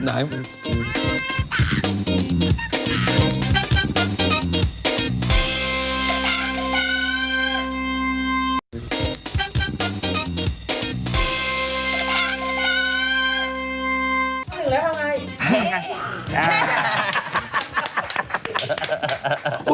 นึงแล้วทำไง